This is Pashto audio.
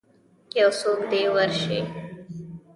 یوڅوک دی ورشئ